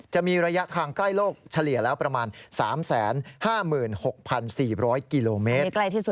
จะมีระยะทางใกล้โลกเฉลี่ยแล้วประมาณ๓๕๖๔๐๐กิโลเมตร